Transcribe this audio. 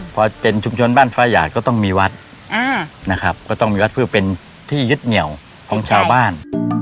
พอเป็นชุมชนบ้านฟ้าหยาดก็ต้องมีวัดนะครับก็ต้องมีวัดเพื่อเป็นที่ยึดเหนียวของชาวบ้าน